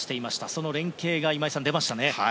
その連係が今井さん、出ましたね。